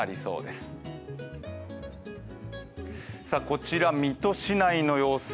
こちら水戸市内の様子。